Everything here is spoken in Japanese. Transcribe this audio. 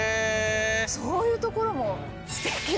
そういうところも。